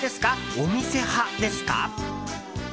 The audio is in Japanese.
お店派ですか？